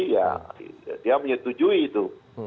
ya dia menyetujui itu